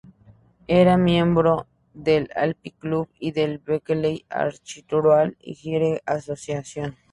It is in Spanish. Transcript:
Era miembro del Alpine Club y del Berkeley Architectural Heritage Association.